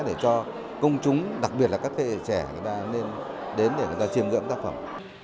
để cho công chúng đặc biệt là các thầy trẻ nên đến để người ta chiêm ngưỡng tác phẩm